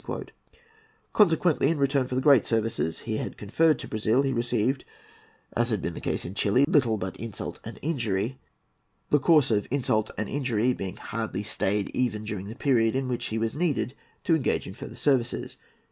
Consequently, in return for the great services he had conferred to Brazil, he received, as had been the case in Chili, little but insult and injury, the course of insult and injury being hardly stayed even during the period in which he was needed to engage in further services.